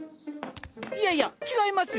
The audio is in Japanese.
いやいや違いますよ。